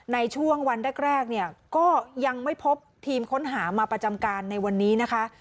ในช่วงวันแรกเนี่ยก็ยังไม่พบทีมค้นหามาประจำการในวันนี้นะคะ